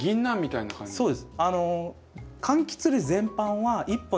そうです。